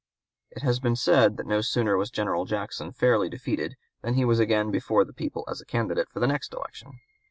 It has been said that no sooner was General Jackson fairly defeated than he was again before the people as a candidate for the next election.